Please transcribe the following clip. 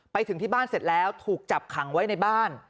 ไปถึงที่บ้านเสร็จแล้วถูกจับขังไว้ในบ้าน